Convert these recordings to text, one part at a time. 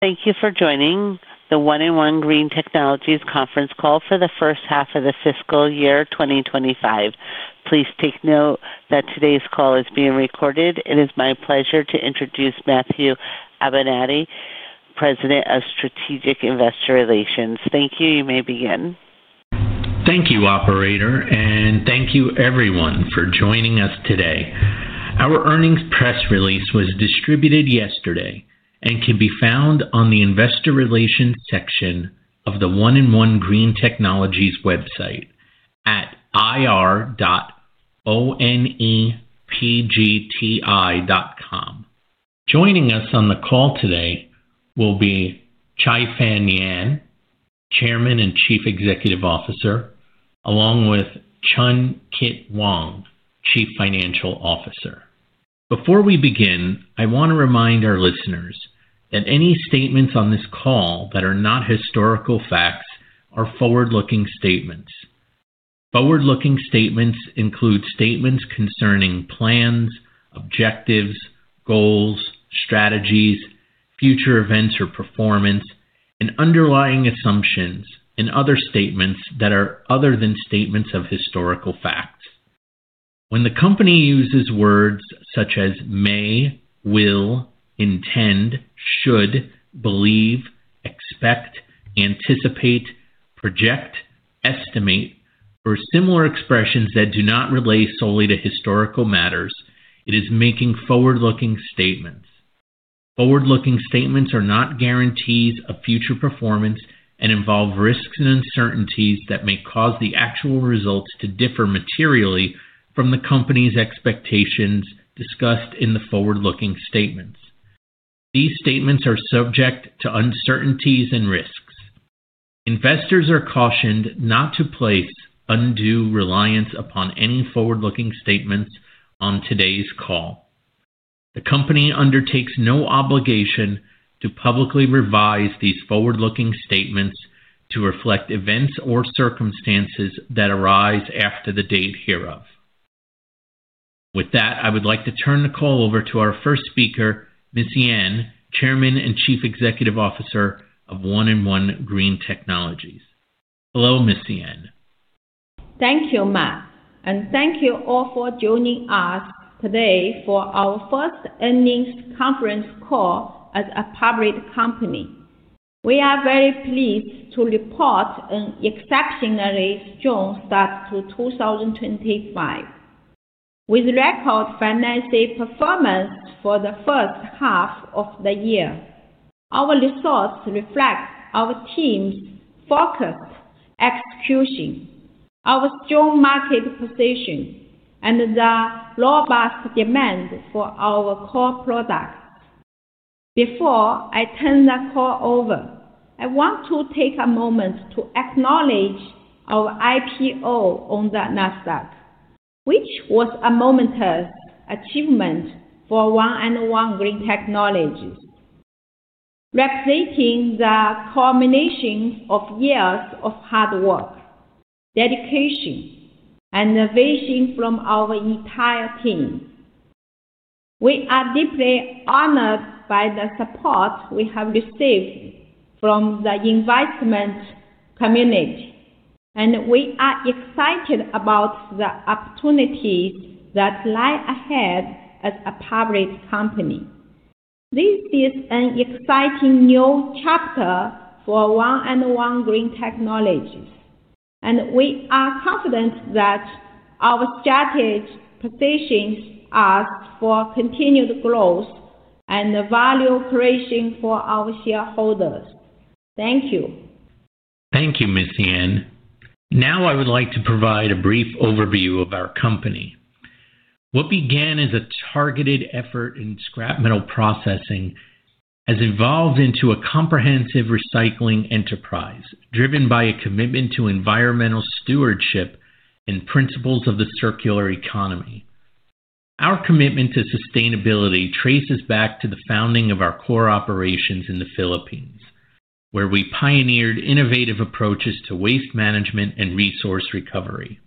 Thank you for joining the One and One Green Technologies conference call for the first half of the fiscal year 2025. Please take note that today's call is being recorded. It is my pleasure to introduce Matthew Abenante, President of Strategic Investor Relations. Thank you. You may begin. Thank you, Operator, and thank you, everyone, for joining us today. Our earnings press release was distributed yesterday and can be found on the investor relations section of the One and One Green Technologies website at ir.onepgti.com. Joining us on the call today will be Caifen Yan, Chairman and Chief Executive Officer, along with Chun Kit Wong, Chief Financial Officer. Before we begin, I want to remind our listeners that any statements on this call that are not historical facts are forward-looking statements. Forward-looking statements include statements concerning plans, objectives, goals, strategies, future events or performance, and underlying assumptions and other statements that are other than statements of historical facts. When the company uses words such as may, will, intend, should, believe, expect, anticipate, project, estimate, or similar expressions that do not relate solely to historical matters, it is making forward-looking statements. Forward-looking statements are not guarantees of future performance and involve risks and uncertainties that may cause the actual results to differ materially from the company's expectations discussed in the forward-looking statements. These statements are subject to uncertainties and risks. Investors are cautioned not to place undue reliance upon any forward-looking statements on today's call. The company undertakes no obligation to publicly revise these forward-looking statements to reflect events or circumstances that arise after the date hereof. With that, I would like to turn the call over to our first speaker, Ms. Yan, Chairman and Chief Executive Officer of One and One Green Technologies. Hello, Ms. Yan. Thank you, Matt, and thank you all for joining us today for our first earnings conference call as a public company. We are very pleased to report an exceptionally strong start to 2025. With record financial performance for the first half of the year, our results reflect our team's focused execution, our strong market position, and the robust demand for our core products. Before I turn the call over, I want to take a moment to acknowledge our IPO on the Nasdaq, which was a momentous achievement for One and One Green Technologies, reflecting the culmination of years of hard work, dedication, and innovation from our entire team. We are deeply honored by the support we have received from the investment community, and we are excited about the opportunities that lie ahead as a public company. This is an exciting new chapter for One and One Green Technologies, and we are confident that our strategic positions ask for continued growth and value creation for our shareholders. Thank you. Thank you, Ms. Yan. Now, I would like to provide a brief overview of our company. What began as a targeted effort in scrap metal processing has evolved into a comprehensive recycling enterprise driven by a commitment to environmental stewardship and principles of the circular economy. Our commitment to sustainability traces back to the founding of our core operations in the Philippines, where we pioneered innovative approaches to waste management and resource recovery.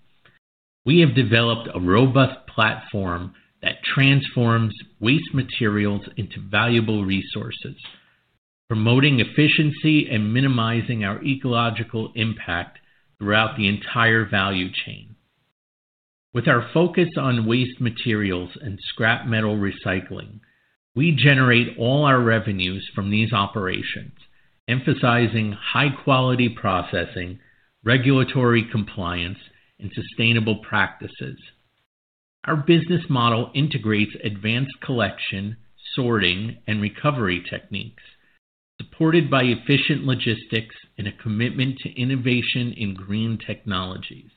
We have developed a robust platform that transforms waste materials into valuable resources, promoting efficiency and minimizing our ecological impact throughout the entire value chain. With our focus on waste materials and scrap metal recycling, we generate all our revenues from these operations, emphasizing high-quality processing, regulatory compliance, and sustainable practices. Our business model integrates advanced collection, sorting, and recovery techniques, supported by efficient logistics and a commitment to innovation in green technologies.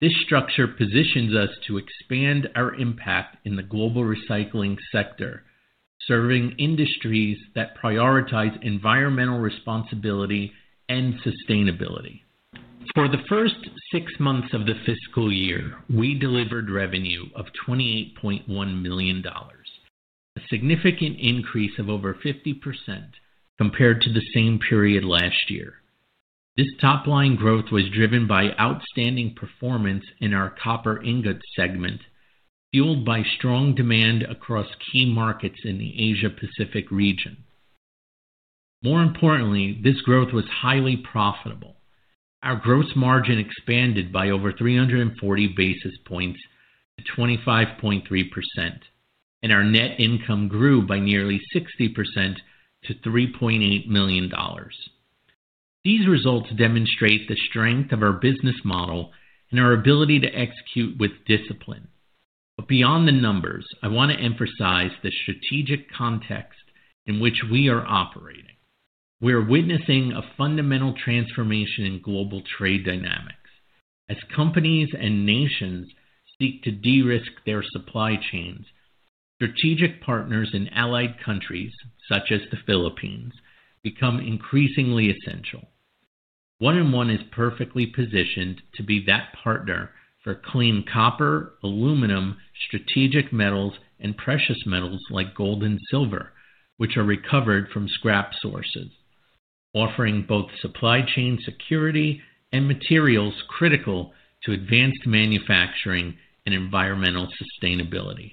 This structure positions us to expand our impact in the global recycling sector, serving industries that prioritize environmental responsibility and sustainability. For the first six months of the fiscal year, we delivered revenue of $28.1 million, a significant increase of over 50% compared to the same period last year. This top-line growth was driven by outstanding performance in our copper ingot segment, fueled by strong demand across key markets in the Asia-Pacific region. More importantly, this growth was highly profitable. Our gross margin expanded by over 340 basis points to 25.3%, and our net income grew by nearly 60% to $3.8 million. These results demonstrate the strength of our business model and our ability to execute with discipline. Beyond the numbers, I want to emphasize the strategic context in which we are operating. We are witnessing a fundamental transformation in global trade dynamics. As companies and nations seek to de-risk their supply chains, strategic partners in allied countries, such as the Philippines, become increasingly essential. One and One is perfectly positioned to be that partner for clean copper, aluminum, strategic metals, and precious metals like gold and silver, which are recovered from scrap sources, offering both supply chain security and materials critical to advanced manufacturing and environmental sustainability.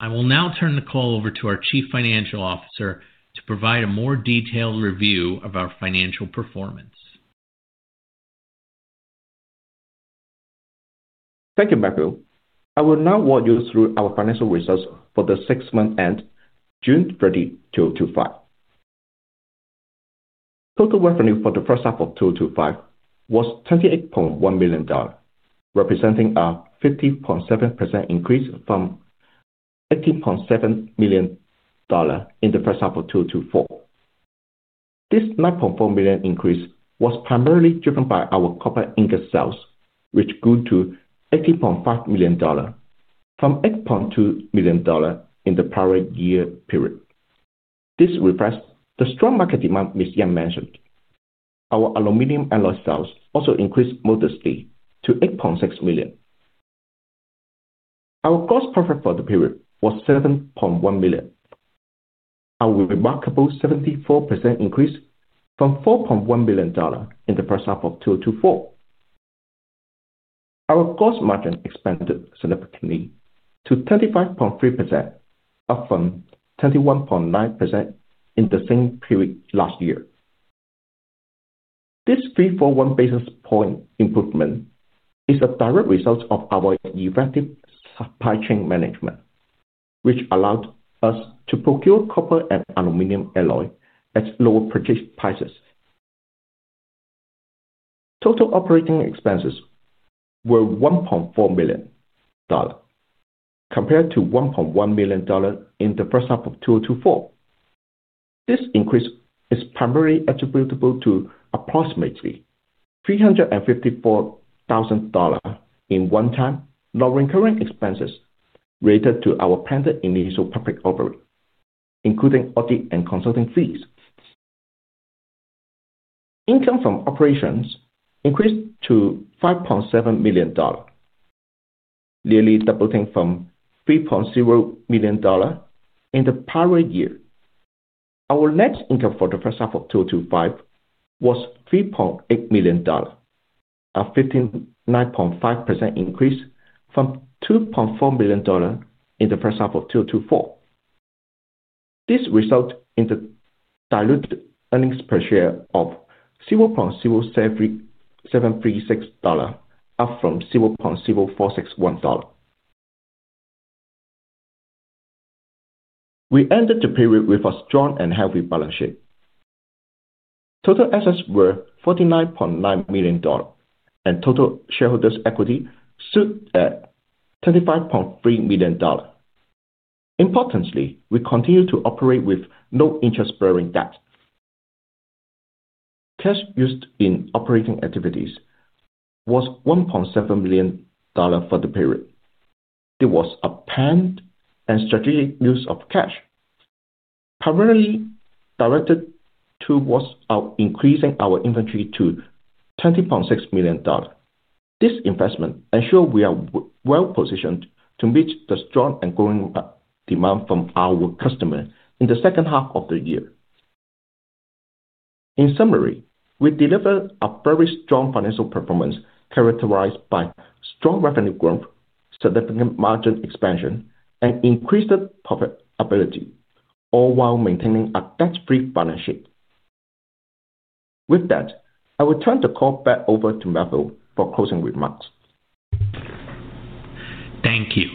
I will now turn the call over to our Chief Financial Officer to provide a more detailed review of our financial performance. Thank you, Matthew. I will now walk you through our financial results for the six month end, June 30, 2025. Total revenue for the first half of 2025 was $28.1 million, representing a 50.7% increase from $18.7 million in the first half of 2024. This $9.4 million increase was primarily driven by our copper ingot sales, which grew to $18.5 million from $8.2 million in the prior year period. This reflects the strong market demand Ms. Yan mentioned. Our aluminum alloy sales also increased modestly to $8.6 million. Our gross profit for the period was $7.1 million, a remarkable 74% increase from $4.1 million in the first half of 2024. Our gross margin expanded significantly to 35.3%, up from 21.9% in the same period last year. This 341 basis point improvement is a direct result of our effective supply chain management, which allowed us to procure copper and aluminum alloy at lower purchase prices. Total operating expenses were $1.4 million, compared to $1.1 million in the first half of 2024. This increase is primarily attributable to approximately $354,000 in one-time non-recurring expenses related to our planned initial public offering, including audit and consulting fees. Income from operations increased to $5.7 million, nearly doubling from $3.0 million in the prior year. Our net income for the first half of 2025 was $3.8 million, a 59.5% increase from $2.4 million in the first half of 2024. This resulted in a diluted earnings per share of $0.0736, up from $0.0461. We ended the period with a strong and healthy balance sheet. Total assets were $49.9 million, and total shareholders' equity stood at $25.3 million. Importantly, we continued to operate with no interest-bearing debt. Cash used in operating activities was $1.7 million for the period. There was a planned and strategic use of cash, primarily directed towards increasing our inventory to $20.6 million. This investment ensured we are well-positioned to meet the strong and growing demand from our customers in the second half of the year. In summary, we delivered a very strong financial performance characterized by strong revenue growth, significant margin expansion, and increased profitability, all while maintaining a debt-free balance sheet. With that, I will turn the call back over to Matthew for closing remarks. Thank you.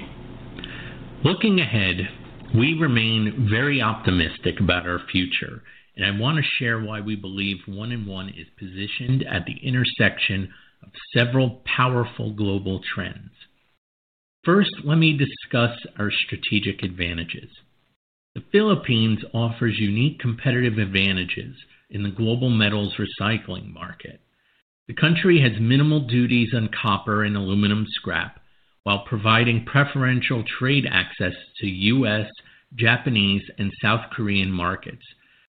Looking ahead, we remain very optimistic about our future, and I want to share why we believe One and One is positioned at the intersection of several powerful global trends. First, let me discuss our strategic advantages. The Philippines offers unique competitive advantages in the global metals recycling market. The country has minimal duties on copper and aluminum scrap while providing preferential trade access to U.S., Japanese, and South Korean markets,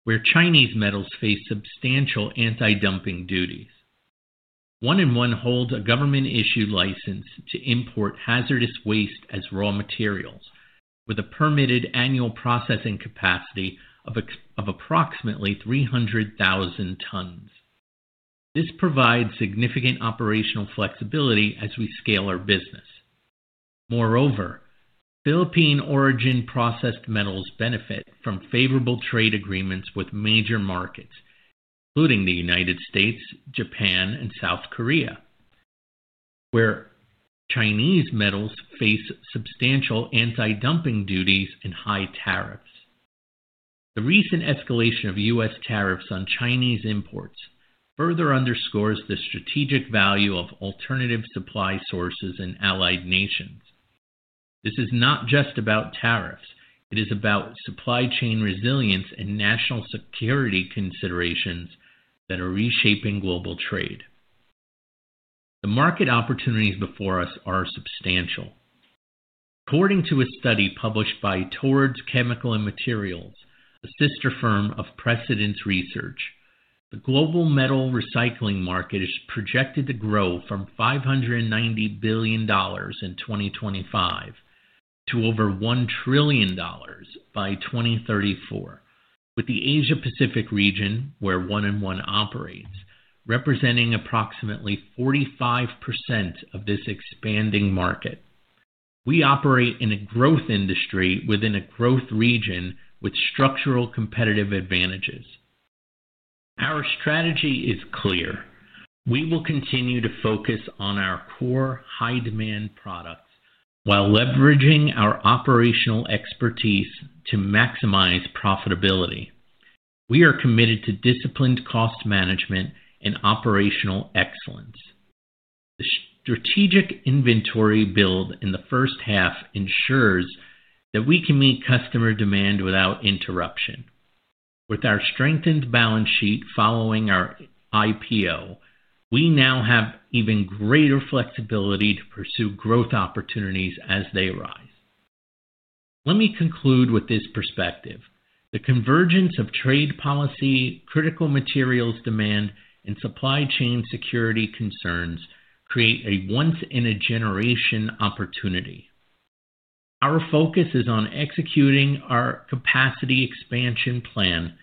where Chinese metals face substantial anti-dumping duties. One and One holds a government-issued license to import hazardous waste as raw materials, with a permitted annual processing capacity of approximately 300,000 tons. This provides significant operational flexibility as we scale our business. Moreover, Philippine-origin processed metals benefit from favorable trade agreements with major markets, including the United States, Japan, and South Korea, where Chinese metals face substantial anti-dumping duties and high tariffs. The recent escalation of U.S. tariffs on Chinese imports further underscores the strategic value of alternative supply sources in allied nations. This is not just about tariffs; it is about supply chain resilience and national security considerations that are reshaping global trade. The market opportunities before us are substantial. According to a study published by Towards Chemical and Materials, a sister firm of Precedence Research, the global metal recycling market is projected to grow from $590 billion in 2025 to over $1 trillion by 2034, with the Asia-Pacific region, where One and One operates, representing approximately 45% of this expanding market. We operate in a growth industry within a growth region with structural competitive advantages. Our strategy is clear. We will continue to focus on our core high-demand products while leveraging our operational expertise to maximize profitability. We are committed to disciplined cost management and operational excellence. The strategic inventory build in the first half ensures that we can meet customer demand without interruption. With our strengthened balance sheet following our IPO, we now have even greater flexibility to pursue growth opportunities as they arise. Let me conclude with this perspective. The convergence of trade policy, critical materials demand, and supply chain security concerns create a once-in-a-generation opportunity. Our focus is on executing our capacity expansion plan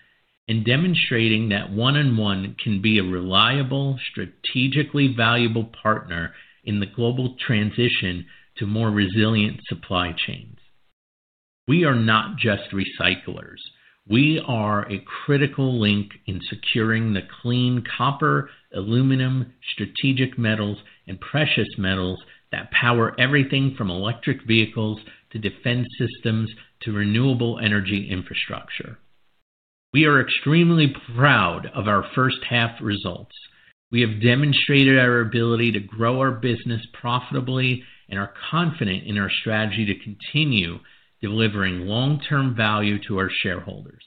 and demonstrating that One and One can be a reliable, strategically valuable partner in the global transition to more resilient supply chains. We are not just recyclers. We are a critical link in securing the clean copper, aluminum, strategic metals, and precious metals that power everything from electric vehicles to defense systems to renewable energy infrastructure. We are extremely proud of our first-half results. We have demonstrated our ability to grow our business profitably and are confident in our strategy to continue delivering long-term value to our shareholders.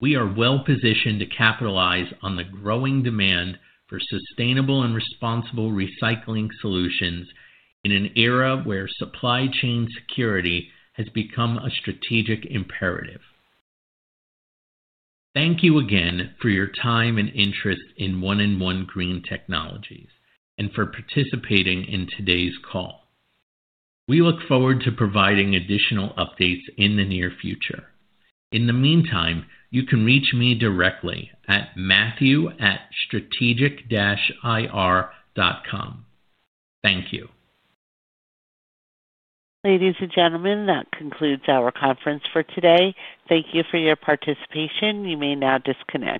We are well-positioned to capitalize on the growing demand for sustainable and responsible recycling solutions in an era where supply chain security has become a strategic imperative. Thank you again for your time and interest in One and One Green Technologies and for participating in today's call. We look forward to providing additional updates in the near future. In the meantime, you can reach me directly at matthew@strategic-ir.com. Thank you. Ladies and gentlemen, that concludes our conference for today. Thank you for your participation. You may now disconnect.